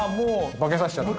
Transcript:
化けさせちゃって。